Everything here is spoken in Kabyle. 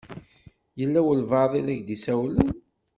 Yella walebɛaḍ i ak-d-isawlen.